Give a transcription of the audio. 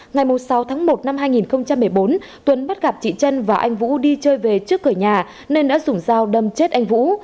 ngày sáu tháng một năm hai nghìn một mươi bốn tuấn bắt gặp chị trân và anh vũ đi chơi về trước cửa nhà nên đã dùng dao đâm chết anh vũ